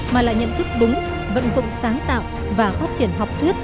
mà lại nhận thức đúng vận dụng sáng tạo và phát triển học thuyết